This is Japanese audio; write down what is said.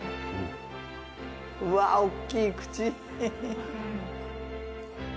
うわおっきい口。